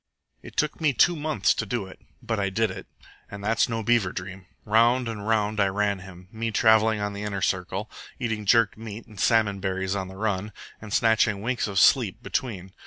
"It took me two months to do it, but I did it. And that's no beaver dream. Round and round I ran him, me travelling on the inner circle, eating jerked meat and salmon berries on the run, and snatching winks of sleep between.